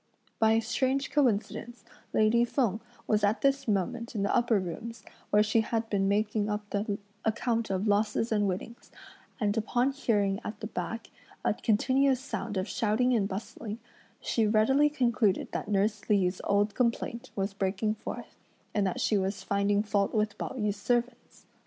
By a strange coincidence lady Feng was at this moment in the upper rooms, where she had been making up the account of losses and winnings, and upon hearing at the back a continuous sound of shouting and bustling, she readily concluded that nurse Li's old complaint was breaking forth, and that she was finding fault with Pao yü's servants.